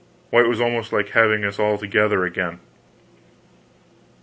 Why, it was almost like having us all together again.